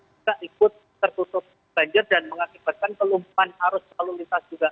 juga ikut tertutup banjir dan mengakibatkan kelumpuhan arus lalu lintas juga